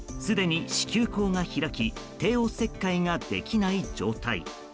すでに子宮口が開き帝王切開ができない状態。